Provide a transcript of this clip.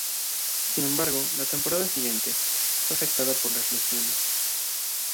Sin embargo, la temporada siguiente fue afectada por las lesiones.